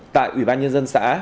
tại ủy ban nhân dân xã